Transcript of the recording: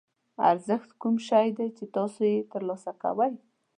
ارزښت کوم شی دی چې تاسو یې ترلاسه کوئ.